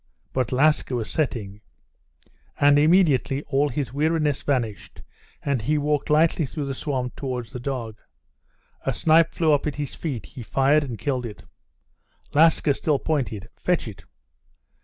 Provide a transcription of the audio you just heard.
But Laska was setting. And immediately all his weariness vanished, and he walked lightly through the swamp towards the dog. A snipe flew up at his feet; he fired and killed it. Laska still pointed.—"Fetch it!"